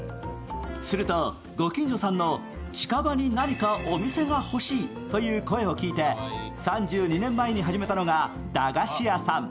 すると、ご近所さんの近場に何かお店が欲しいという声を聞いて、３２年前に始めたのが駄菓子屋さん。